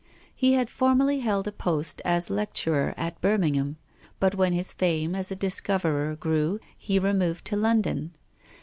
He had formerly held a post as lecturer at Birmingham. But when his fame as a dis coverer grew he removed to London.